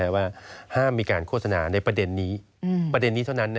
ว่าห้ามมีการโฆษณาในประเด็นนี้ประเด็นนี้เท่านั้น